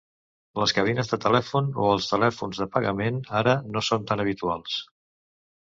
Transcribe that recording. Les cabines de telèfon o els telèfons de pagament ara no són tan habituals